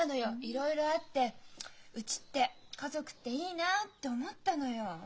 いろいろあってうちって家族っていいなって思ったのよ。